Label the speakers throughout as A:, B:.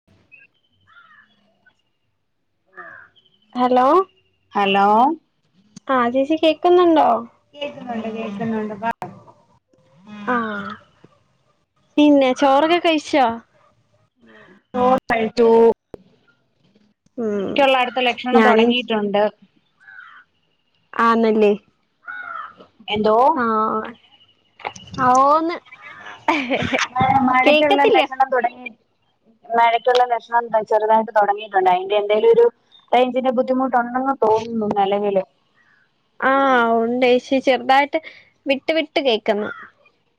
A: ഉ [unintelligible]
B: hello
A: hello
B: ആഹ് ചേച്ചി കേൾക്കുന്നുണ്ടോ
A: കേൾക്കുന്നുണ്ട് കേൾക്കുന്നുണ്ട്.
B: ആഹ് പിന്നെ ചോറൊക്കെ കഴിച്ചാ?
A: ഓ കഴിച്ചു.
B: ഉം
A: ഒക്കെയള്ള അടുത്ത ലക്ഷണം
B: ഞാനും
A: തുടങ്ങിയിട്ടുണ്ട്
B: ആന്നല്ലേ
A: എന്തോ
B: ആഹ് ഓന്ന്
A: മഴയ്ക്കുള്ള
B: കേക്കത്തില്ല
A: ലക്ഷണം തുടങ്ങി മഴയ്ക്കുള്ള ലക്ഷണം ചെറുതായിട്ട് തുടങ്ങിയിട്ടുണ്ട്. അതിന്റെ എന്തെേലും ഒരു അയഞ്ചന്റെ ബുദ്ധിമുട്ടുണ്ടെന്ന് തോന്നുന്നു നെലവില്
B: ആഹ ഉണ്ട് ചെറുതായിട്ട് വിട്ട് വിട്ട് കേക്കുന്നു.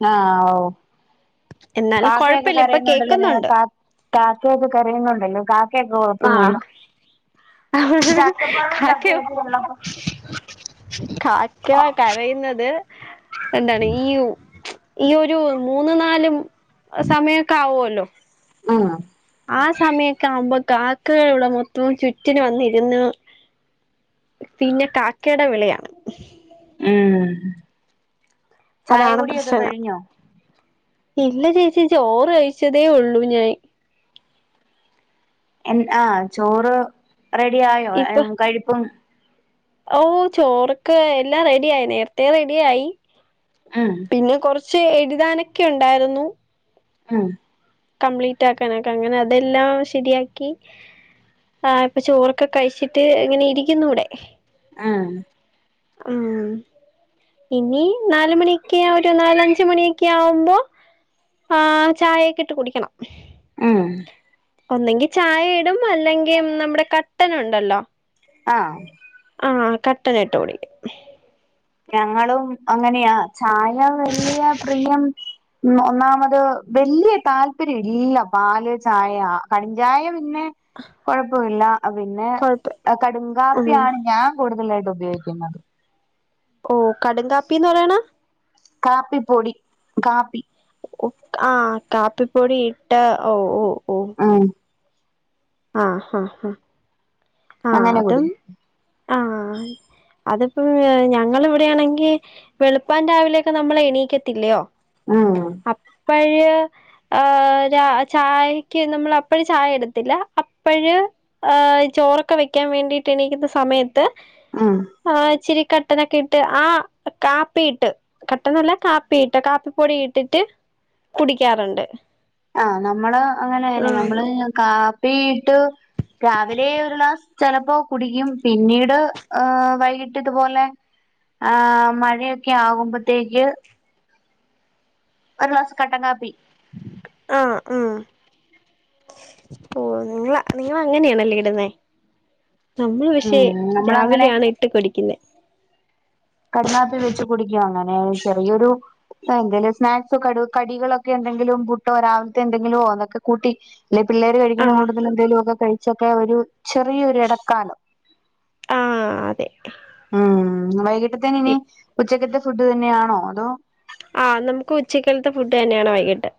A: ആഹ ഓ
B: എന്നാലും
A: കാക്കയൊക്കെ
B: കൊഴപ്പില്ല ഇപ്പൊ
A: കരയുന്നുണ്ടല്ലോ
B: കേക്കുന്നുണ്ട്
A: കാാക്കൊക്കെ കറിയുന്നുണ്ടല്ലോ കാ
B: ആ
A: കേക്കുന്നുള്ളൂ
B: കാക്കയോ
A: ഹും
B: കാക്ക കരയുന്നത് എന്താണ് ഈയു ഈ ഒരു മൂന്ന് നാലു സമയക്കെ ആവുല്ലോ
A: ആ
B: ആ സമയക്കെ ആവുമ്പോ കാക്കകുടെ മൊത്തവും ചുറ്റിന വന്നിരുന്നു പിന്നെ കാക്കയുടെ വിളയാണ്
A: ഏ
B: അതാണ് പ്രശ്നം
A: കഴിഞ്ഞോ
B: ഇല്ല ചേച്ചി ചോറ് കഴിച്ചതേ ഉള്ളൂ ഞൻ
A: എ ആ ചോറ് റെഡി ആായോ
B: ഇപ്പൊ
A: കഴിപ്പും
B: ഓ ചോറൊക്കെ എല്ലാം റെഡിയായി നേരത്തെേ റെഡി ആയി
A: ആഹ
B: ഇന്ന് കുറച്ച് എഴുതാനൊക്കെ ഉണ്ടായിരുന്നു.
A: ആ
B: കംപ്ലീറ്റ് ആക്കാനൊക്കെ അങ്ങനെ അതെല്ലാം ശെരിയാക്കി ആ ഇപ്പൊ ചോറൊക്കെ കഴിച്ചിട്ട് ഇങ്ങനെ ഇരിക്കുന്നു വിടെ
A: ആഹ
B: ആഹ ഇനി നാലുമണിയൊക്കെ ഒരു നാലഞ്ച മണിയൊക്കെ ആവുമ്പോ ആഹ ചായയൊക്കെ ഇട്ട് കുടിക്കണം
A: ആഹ്
B: ഒന്നെങ്കി ചായ ഇടും അല്ലെങ്കിൽ നമ്മുടെ കട്ടന ഉണ്ടല്ലോ
A: ആഹ്
B: ആഹ് കട്ടനിട്ട് കുടിക്കും
A: ഞങ്ങളും അങ്ങനെയാ ചായ വലിയ പ്രിയം ഉം ഒന്നാമത് വലിയ താല്പര്യം ഇല്ല പാല് ചായ കടുംചായ പിന്നെ കൊഴപ്പമില്ല പിന്നെ
B: കൊഴപ്പ ഉം
A: കടുങ്കാപ്പിയാണ് ഞാൻ കൂടുതലായിട്ട് ഉപയോഗിക്കുന്നത്
B: ഓ കടുങ്കാപ്പിന്ന് പറയണ
A: കാപ്പി പൊടി കാപ്പി
B: ആഹ് കാപ്പിപ്പൊടി ഇട്ട ഓ ഓ ഓ
A: ആഹ്
B: ആഹ് ആഹ് ഹ
A: അങ്ങനെ കൂടിക്കും
B: ആഹ് അതിപ്പോം ഞങ്ങളിവിടെയാണെങ്കി വെളുപ്പൻ രാവിലെയൊക്കെ നമ്മള എണീക്കത്തില്ലയോ
A: ആഹ്
B: അപ്പഴ്‌ ഏഹ് രാ ചായെക്ക് നമ്മൾ അപ്പഴ്‌ ചായ എടുത്തില്ല. അപ്പഴ്‌ ഏ ചോറൊക്കെ വെക്കാൻ വേണ്ടിട്ട് എണീക്ക്ന്ന സമയ ട്ട്
A: ഉം
B: ഏഹ് ഇച്ചിരിക കട്ടനൊക്കെ ഇട്ട് ആ കാപ്പിയിട്ട് കട്ടനല്ല കാപ്പിയിട്ട് കാപ്പിപ്പൊടി ഇട്ടിട്ട് കുടിക്കാറ്ണ്ട്.
A: ആഹ് നമ്മള് അങ്ങനെന്നെ നമ്മള് കാ വീട്ടു രാവിലെ ഒരു ളാസ് ചെലപ്പോ കുടിക്കും പിന്നീട് ഏഹ് വൈകിട്ട് ഇതുപോലെ ആഹ് മഴയൊക്കെ ആകുമ്പത്തേക്ക് ഒര് ഗ്ലാസ് കട്ടംക്കാപ്പി.
B: ആഹ് ആഹ് ഓ ങ്ങള നിങ്ങള് അങ്ങനെയാണല്ലേ ഇടുന്നെ നമ്മള് പക്ഷേ
A: ഉം നമ്മളങ്ങനെ
B: രാവിലെയാണ് ഇട്ട് കുടിക്കുന്നെ
A: കട്ങ്ങാത്തി വെച്ച് കുടിക്കും അങ്ങനെ ചെറിയൊരു ആ എന്തേലും സ്നാക്സോ കടു കടികളൊക്കെ എന്തെങ്കിലും പുട്ടോ രാവിൽത്തെ എന്തെങ്കിലോ ഒന്നൊക്കെ കൂട്ടി ഇല്ലെ പിള്ളേര്
B: ആ
A: കഴിക്കണ കൂട്ടത്തിലെന്തേലു ഒക്കെ കഴിച്ചൊക്കെ ഒരു ചെറിയൊരു എടക്കാലോ
B: ആ അതെ
A: ഉം വൈകിട്ടത്തേന് ഇനി ഉച്ചക്കത്തെ ഫുഡ് തന്നെയാണോ അതോ
B: ആ നമുക്ക് ഉച്ചക്കൽത്തെ ഫുഡ് തന്നെയാണ് വൈകിട്ട്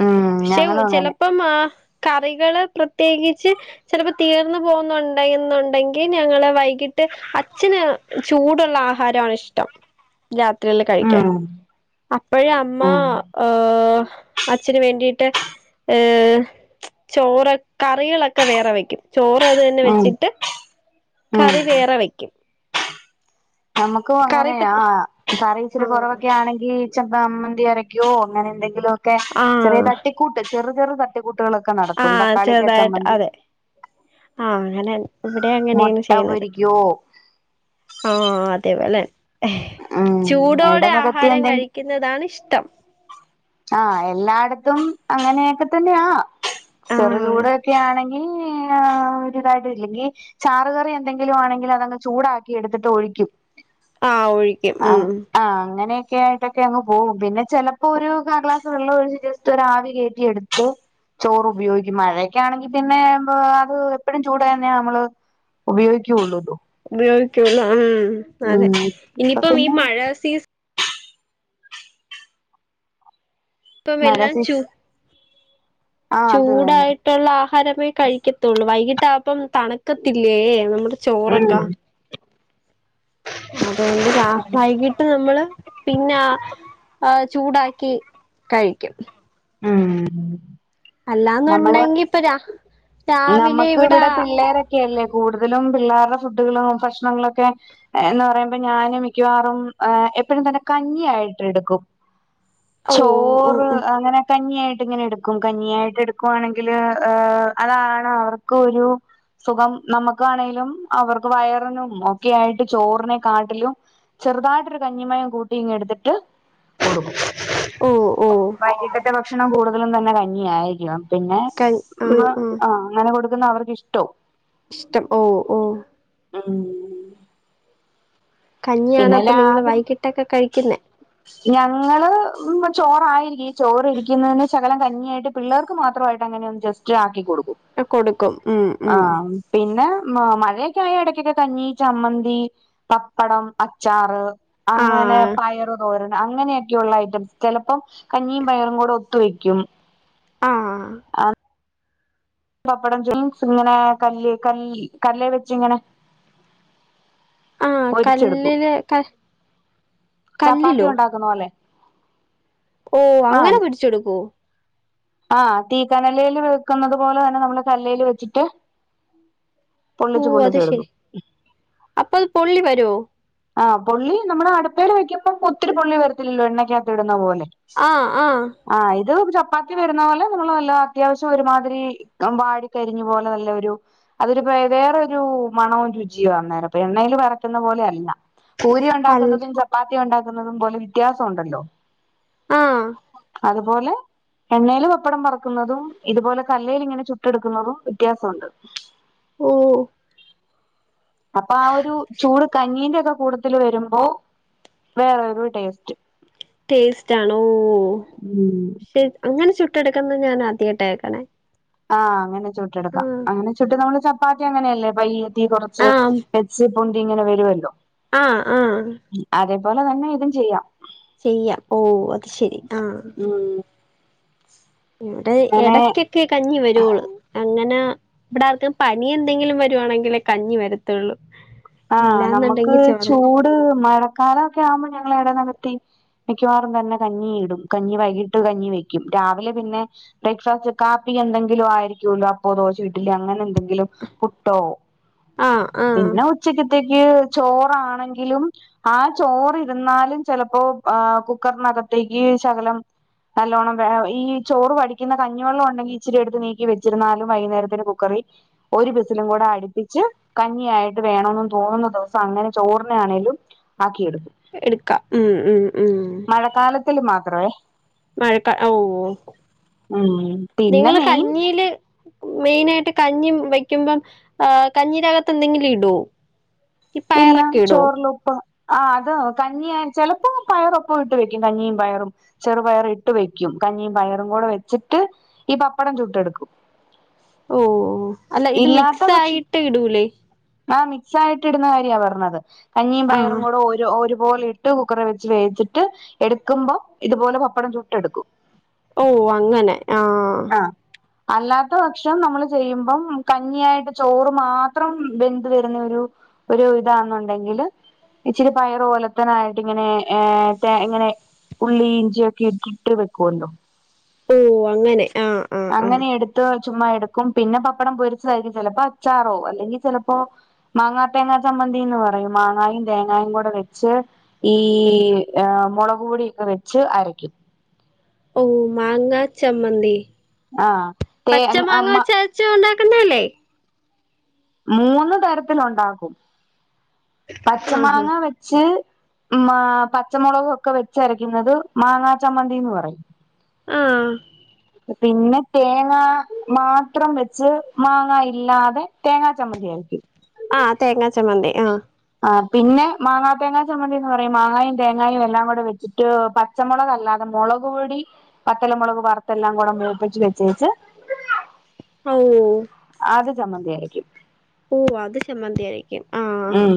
A: ഉം
B: പക്ഷെ
A: ഞങ്ങളും
B: ചില
A: അങ്ങനെ
B: ഇപ്പം ആഹ് കറികള് പ്രത്യേകിച്ച് ചിലപ്പോ തീർന്നു പോകുന്നുണ്ടന്നുണ്ടെങ്കി ഞങ്ങളെ വൈ അച്ഛന് ചൂടുള്ള ആഹാര ഇഷ്ടം രാത്രികള് കഴിക്കാൻ
A: ഉം
B: അപ്പോഴേ അമ്മ
A: ഉം
B: ഏഹ് അച്ഛന് വേണ്ടിട്ട് ഏഹ് ചോറ് കറികളൊക്കെ വേറെ വെക്കും ചോറ് അത് തന്നെ
A: ഉം
B: വെച്ചിട്ട്
A: ഉം
B: കറി വേറെ വെ
A: നമുക്കും
B: കറി
A: അങ്ങനെയ
B: ഇപ്പ
A: കറി ഇച്ചിരി
B: ആഹ്
A: കുറവൊക്കെ ആണെങ്കി [unintelligible] മ്മന്തി അരക്കോ അങ്ങനെ എന്തെങ്കിലൊക്കെ ചെറിയ
B: ആഹ്
A: തട്ടിക്കൂട്ട് ചെറു ചെറു ത [unintelligible] കുട്ടുകളൊക്കെ നടക്കും
B: ആഹ്
A: തക്കാളിക്കാ
B: ചെറുതായിട്ട്
A: ചമ്മന്തി
B: അതെ ആഹ് അങ്ങനെ ഇവിടെ അങ്ങനെയാണ്
A: മുട്ട
B: ശെയ്യുന്നത്
A: പൊരിക്കോ
B: ആഹ് അതേപോലെ
A: ഉം
B: ചൂടോടെ
A: എടനകത്തി
B: ആഹാരം കഴി
A: എന്തെങ്കി
B: ക്കുന്നതാണ് ഇഷ്ടം
A: ആഹ് എല്ലായിടത്തും അങ്ങനെയൊക്കെ തന്നെയാ ചെറു
B: ആഹ്
A: ചൂടൊക്കെ ആണെങ്കി ആഹ് ഒരു [unintelligible] ഇല്ലെങ്കിൽ ചാറുകറി എന്തെങ്കിലും ആണെങ്കിലും അതങ്ങ് ചൂടാക്കി എടുത്തിട്ട് ഒഴിക്കും
B: ആഹ് ഒഴിക്കും
A: ആ
B: ഉം
A: ആഹ് അങ്ങനെയൊക്കെ ആയിട്ടൊക്കെ അങ്ങ് പോകും പിന്നെ ചെലപ്പോ ഒരു [unintelligible] ക്ലാസ് വെള്ള ഒഴിച്ച് ജെസ്റ്റ് ഒരു ആവി കയറ്റി എടുത്തു ചോറ് ഉപയോഗിക്കും മഴയൊക്കെ ആണെങ്കി പിന്നെ അത് എപ്പഴും ചൂട്ന്നെയ നമ്മള് ഉപയോഗിക്കുള്ളുലോ
B: ഉപയോഗിക്കുള്ളൂ ഉം അതെ
A: ഉം ഇപ്പൊ
B: ഇനിപ്പം ഈ
A: പിന്നെ
B: മഴ സീസ
A: മഴ
B: ഇപ്പവെല്ലാം ചു
A: സീസ് ആഹ് അത് തന്നെ
B: ചൂടായിട്ടോള്ള ആഹാരമേ കഴിക്കത്തോള്ളൂ വൈകിട്ടാപ്പം തണുക്കത്തില്ലേ നമ്മ
A: ഉം
B: ചോറക്കാ അതുകൊണ്ട് രാ വൈകിട്ട് നമ്മള് പിന്നാ ചൂടാക്കി കഴിക്കും
A: ഉം നമ്മള്
B: അല്ലാന്നുണ്ടെങ്കി ഇപ്പ രാ രാവിലെ
A: നമക്ക്
B: ഇവിടെ
A: ഇവടെ പിള്ളേരെ ഒക്കെല്ലേ കൂടുതലും പിള്ളേരുടെ ഫുഡുകളും ഭക്ഷണങ്ങളൊക്കെ എന്ന് പറയുമ്പോ ഞാന് മിക്കവാറും എപ്പഴും തന്നെ കഞ്ഞിയായിട്ട് എടുക്കും
B: ഓ ഓ
A: ചോറ് അങ്ങനെ കഞ്ഞി ആയിട്ട് ഇങ്ങനെ എടുക്കും കഞ്ഞിയായിട്ട് എടുക്കുവാണെങ്കിൽ അതാണ് അവർക്ക് ഒരു സുഖം നമുക്കാണേങ്കിലും അവർക്ക് വയറിനും ഒക്കെ ആയിട്ട് ചോറിനെ കാട്ടിലും ചെറുതായിട്ടൊരു കഞ്ഞിമയയും കൂട്ടി ഇങ്ങ് എടുത്തിട്ട് കൊടുക്കും
B: ഓ ഓഹ്
A: വൈകിട്ടത്തെ ഭക്ഷണം കൂടുതലും തന്നെ കഞ്ഞിയ ആയിരിക്കും പിന്നെ
B: ക ആഹ്
A: ആഹ് അങ്ങനെ കൊടു ക്കുന്ന അവർക്ക് ഇഷ്ട്ടോം
B: ഇഷ്ടം ഓ ഓഹ്
A: ഉം
B: കഞ്ഞിയാണ്
A: പിന്നെ
B: അപ്പൊ നിങ്ങള്
A: രാവിലെ
B: വൈകിട്ടൊക്കെ കഴിക്കുന്നേ
A: ഞങ്ങള് ചോറായിരിക്ക് ചോറ് ഇരിക്കുന്നതിന് ശകലം കഞ്ഞിയായിട്ട് പിള്ളേർക്ക് മാത്രമായിട്ട് അങ്ങനെ ഒന്ന് ജസ്റ്റ് ആക്കി കൊടുക്കും
B: കൊടുക്കും ഉം ഉം
A: ആഹ് പിന്നെ മ മഴയൊക്കെ ആയ ഇടക്കൊക്കെ കഞ്ഞി ചമ്മന്തി പപ്പടം അച്ചാറ് അങ്ങനെ
B: ആഹ്
A: പയറ് തോരൻ അങ്ങനെയെ ഐറ്റം ചിലപ്പോൾ കഞ്ഞിയും പയറും കൂടെ ഒത്ത് വെക്കും
B: ആഹ്
A: പപ്പടം [unintelligible] ഇങ്ങനെ കല്ല് കല്ലി കല്ലേ വെച്ചിങ്ങനെ
B: ആഹ്
A: പൊരിച്ചെടുക്കും
B: കല്ലില് ക
A: ചപ്പാത്തി
B: കല്ലിലോ
A: ഉണ്ടാക്ക ക്കണോല്ലേ
B: ഓ അങ്ങനെ പിടിച്ചെടുക്കോ
A: ആഹ് തീക്കനലെല് വെക്കുന്നത് പോലെ തന്നെ നമ്മള് കല്ലേല് വെച്ചിട്ട്
B: ഓ
A: പൊള്ളിച്ച്
B: അത് ശരി
A: പൊള്ളിച്ചെടുക്കും
B: അപ്പൊ അത് പൊള്ളി വരോ
A: ആഹ് പൊള്ളി നമ്മുടെ അടുപ്പേൽ വെക്കപ്പം ഒത്തിരി പൊള്ളി വരത്തില്ലല്ലോ എണ്ണക്കകത്ത് ഇടുന്ന പോലെ
B: ആഹ് ആഹ്
A: ആഹ് ഇത് ചപ്പാത്തി വരുന്ന പോലെ നമ്മൾ നല്ല അത്യാവശ്യം ഒരുമാതിരി വാടിക്കരിഞ്ഞു പോലെ നല്ലൊരു അതിരുപ്പ വേറെരു മണവും രുചിയോ അന്നേരം ഇപ്പൊ എണ്ണയില് വറക്കുന്ന പോലെ അല്ല പൂരി
B: അൽ
A: ഉണ്ടാക്കുന്നതും ചപ്പാത്തി ഉണ്ടാക്കുന്നതും പോലെ വ്യത്യാസം ഉണ്ടല്ലോ
B: ആഹ്
A: അതുപോലെ എണ്ണേല് പപ്പടം പറക്കുന്നതും ഇതുപോലെ കല്ലേല് ഇങ്ങനെ ചുട്ടെടുക്കുന്നതും വ്യത്യാസമുണ്ട്
B: ഓ
A: അപ്പൊ ആഹ് ഒരു ചൂട് കഞ്ഞീന്റെ ഒക്കെ കൂടതിൽ വരുമ്പോ വേറെരു ടേസ്റ്റ്
B: ടേസ്റ്റ് ആണോ
A: ഉം
B: സ്റ്റ്, ‌ അങ്ങനെ ചുട്ടെടുക്കുന്നുന്നത് ഞാൻ ആദ്യായിട്ട കേൾക്കണേ
A: ആഹ് അങ്ങനെ ചുട്ട് എടുക്കാം അങ്ങനെ ചുട്ട് നമ്മള് ചപ്പാത്തി അങ്ങനെയല്ലേ പഴേ തീ കുറച്ച്
B: ആ
A: വെച്ച് പൊന്തി ഇങ്ങനെ വരുവല്ലോ
B: ആഹ് ആഹ്
A: അതേപോലെ തന്നെ ഇതും ചെയ്യാം
B: ചെയ്യാം ഓ അത് ശെരി ആഹ്
A: ഉം
B: ഇവിടെ
A: അങ്ങനെ
B: ഇടക്കൊക്കെ കഞ്ഞി വരോള്ളു അങ്ങനെ ഇബടെ ആർക്കും പനി എന്തെങ്കിലും വരുയാണെങ്കിലെ കഞ്ഞി വരാത്തൊള്ളൂ
A: ആഹ് നമുക്ക് ചൂട് മഴക്കാലോക്കെ ആവുമ്പോൾ ഞങ്ങൾ ഇവിടെ തീ മിക്കവാറും തന്നെ കഞ്ഞി ഇടും കഞ്ഞി വൈകിട്ടും കഞ്ഞി വെക്കും രാവിലെ പിന്നെ ബ്രേക്ക്ഫാസ്റ്റ് കാപ്പി എന്തെങ്കിലും ആയിരിക്കുല്ലോ അപ്പോ ദോശ ഇഡലി അങ്ങനെ എന്തെങ്കിലും പുട്ടോ
B: ആ ആ
A: പിന്നെ ഉച്ചക്കത്തേക്ക് ചോറാണെങ്കിലും ആ ചോറിരുന്നാലും ചിലപ്പോൾ ഏ കുക്കറിനകത്തേക്ക് ശകലം നല്ലോണ്ണം ഈ ചോറ് വടിക്കുന്ന കഞ്ഞി വെള്ളം ഉണ്ടാക്കി ഇച്ചിരി എടുത്ത് നീക്കി വെച്ചിരുന്നാലും വൈകുന്നേരത്തിന് കുക്കറി ഒരു വിസിലും കൂടെ അടുപ്പിച്ച് കഞ്ഞിയായിട്ട് വേണോന്ന് തോന്നുന്ന ദിവസം അങ്ങനെ ചോറിനെ ആണെലും ആക്കിയെടുക്കും
B: എടുക്കാം ഉം ഉം ഉം
A: മഴക്കാലത്തിൽ മാത്രവേ
B: മഴക്കാ ഓ
A: ഉം പിന്നെ
B: നിങ്ങള്
A: മെയിൻ
B: കഞ്ഞില് മെയിനായിട്ട് കഞ്ഞി വെക്കുമ്പം കഞ്ഞിനകത്ത് എന്തെങ്കിലും ഇടേ
A: ഇല്ല ചോറില് ഉപ്പ് ആ അത് കഞ്ഞി ചിലപ്പോ പയറൊപ്പം ഇട്ട് വെക്കും കഞ്ഞിയും പയറും ചെറുപയർ ഇട്ട് വെക്കും കഞ്ഞിയും പയറും കൂടെ വെച്ചിട്ട് ഈ പപ്പടം ചുട്ടെടുക്കും
B: ഓ ഓ അല്ല ഇത് മിക്സായിട്ട് ഇടൂലേ
A: ആഹ് മിക്സായിട്ട് ഇടുന്ന കാര്യ പറഞ്ഞത് കഞ്ഞിയും പയറും
B: ആഹ്
A: കൂടെ ഒര് ഒരു ഇതുപോലെ ഇട്ട് കുക്കറെ വെച്ച് വേവിച്ചിട്ട് എടുക്കുമമ്പോ ഇതുപോലെ പപ്പടം ചുട്ട് എടുക്കും
B: ഓ അങ്ങനെ ആഹ്
A: ആഹ് അല്ലാത്ത പക്ഷം നമ്മള് ചെയ്യുമ്പം കഞ്ഞിയായിട്ട് ചോറ് മാത്രം വെന്ത് വരുന്ന ഒരു ഒരു ഇതാെന്നുണ്ടെങ്കില് ഇച്ചിരി പയർ ഓലത്തനായിട്ട് ഇങ്ങനെ ഏ ഇങ്ങനെ ഉള്ളി ഇഞ്ചിയൊക്കെ ഇട്ടിട്ട് വെക്കുവല്ലോ
B: ഓ അങ്ങനെ ആഹ് ആഹ് ആഹ്
A: അങ്ങനെ എടുത്ത് ചുമ്മാ എടുക്കും പിന്നെ പപ്പടം പൊരിച്ചതായിരിക്കും ചിലപ്പോ അച്ചാറോ അല്ലെങ്കിൽ ചിലപ്പോ മാങ്ങാ തേങ്ങാ ചമ്മന്തിന്ന് പറയും മാങ്ങയും തേങ്ങയും കൂടെ വെച്ച് ഈ ഏ മുളക് പൊടിയൊക്കെ വെച്ച് അരക്കും
B: ഓ മാങ്ങ ചമ്മന്തി
A: ആഹ് തേ
B: പച്ച
A: മ
B: മാങ്ങച്ച ച്ച, ഉണ്ടാക്കുന്നല്ലേ
A: മൂന്ന് തരത്തിലുണ്ടാക്കും പച്ച
B: ആഹ്
A: മാങ്ങ വെച്ച് വച്ച് മ പച്ചമുളക് ഒക്കെ വെച്ചരയ്ക്കുന്നത് മാങ്ങാ ചമ്മന്തിന്ന് പറയും
B: ആഹ്
A: പിന്നെ തേങ്ങ മാത്രം വെച്ച് മാങ്ങ ഇല്ലാതെ തേങ്ങാ ചമ്മന്തി അരക്കും
B: ആഹ് തേങ്ങാ ചമ്മന്തി ആഹ്
A: ആ പിന്നെ മാങ്ങാ തേങ്ങാ ചമ്മന്തി എന്ന് പറയും മാങ്ങയും തേങ്ങായും എല്ലാം കൂടെ വെച്ചിട്ട് പ പച്ചമുളക് അല്ലാതെ മുളക് പൊടി പത്തലമുളക് വറുത്തെല്ലാം കൂടെ മൂപ്പിച്ച് വെച്ചേച്ച്
B: ഔ
A: ആദ്യം ചമ്മന്തി അരക്കും
B: ഓ അത് ചമ്മന്തി ആരക്കും
A: ഉം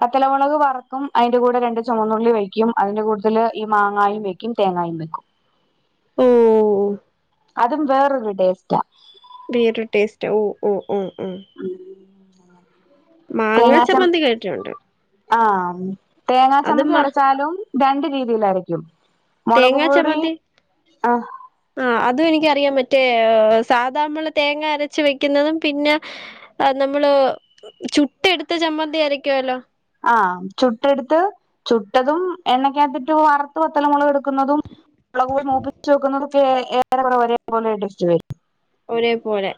A: പത്തലമുളക് വറക്കും അതിന്റെ കൂടെ രണ്ട് ചുവന്നുള്ളി വെ്ക്കും അതിന്റെ കൂടുതൽ ഈ മാങ്ങായും വെക്കും തേങ്ങായും വെക്കും
B: ഓഹ്
A: അതും വേറൊരു ടേസ്റ്റാ
B: വേറ ടേസ്റ്റ് ഓഹ് ഓഹ് ഓഹ് ഉം
A: [inaudible]
B: മാങ്ങാ ചപ്പന്തി കേട്ടുണ്ട്
A: ആഹ് തേങ്ങാ ചമ്മന്തി
B: അതുമ്മാ
A: അരച്ചാലും രണ്ട രീതിയിൽ അരക്കും മുളക്
B: തേങ്ങാ
A: പൊടി
B: ചമ്മന്തി
A: ആഹ്
B: ആ അതും എനിക്കറിയാം മറ്റേ സാദാ നമ്മള് തേങ്ങ അരച്ച വെക്കുന്നതും പിന്നെ ആ നമ്മള് ചുട്ട് എടുത്ത ചമ്മന്തി ആരക്കുവല്ലോ
A: ആഹ് ചുട്ടെടുത്ത് ചുട്ടതും എണ്ണക്കകത്തിട്ട് വറുത്ത് പത്തലമുളക് എടു വെക്കുന്നതെ [unintelligible] ഏറെറെ ഒരേപലെും [unintelligible]
B: ഒരേ പോലെ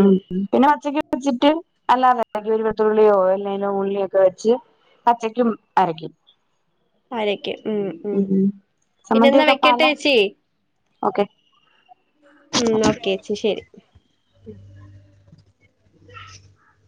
A: ഉം പിന്നെ പച്ചക്ക് വെച്ചിട്ട് അല്ലാതെ ഒരു വെളത്തുള്ളിയോ എല്ലെങ്കനും ഉള്ളിയൊക്കെ വെച്ച് പച്ചക്കും അരക്കും
B: ആരക്കും ഉം ഉം പിന്നെ എന്നാ വെക്കട്ടെ ചേച്ചി
A: ഒക്കെ..
B: മ്മ്ഹ് ഓക്കേ ചെശരി.
A: മ്ഹ്.. ഉ [unintelligible]